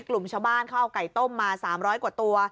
กลุ่มชาวบ้านเขาเอาไก่ต้มมา๓๐๐กว่าตัว